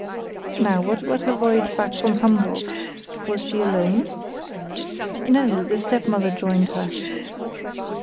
"Now, what about her voyage back from Hamburg? Was she alone?" "No; the stepmother joined her."